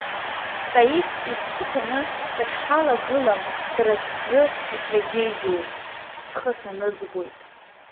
Таиф иԥсы ҭаны дахьҳалагылам сара сзы итрагедиоуп, схы саныӡбоит.